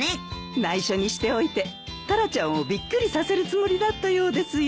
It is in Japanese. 内緒にしておいてタラちゃんをびっくりさせるつもりだったようですよ。